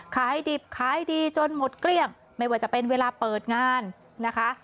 ขายดิบขายดีจนหมดเกลี้ยงไม่ว่าจะเป็นเวลาเปิดงานนะคะ